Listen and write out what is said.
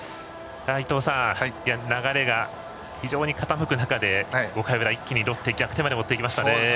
伊東さん、流れが非常に傾く中で５回の裏、ロッテは一気に逆転まで持っていきましたね。